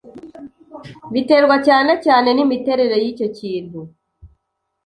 Biterwa cyane cyane n'imiterere y'icyo kintu